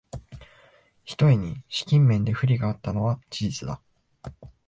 ひとえに資金面で不利があったのは事実だ